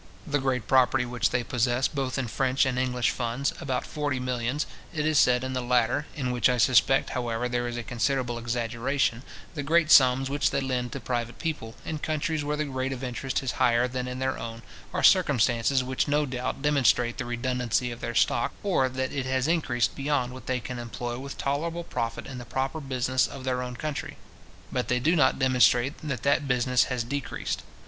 The great property which they possess both in French and English funds, about forty millions, it is said in the latter (in which, I suspect, however, there is a considerable exaggeration ), the great sums which they lend to private people, in countries where the rate of interest is higher than in their own, are circumstances which no doubt demonstrate the redundancy of their stock, or that it has increased beyond what they can employ with tolerable profit in the proper business of their own country; but they do not demonstrate that that business has decreased.